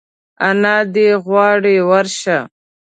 انا دي غواړي ورشه !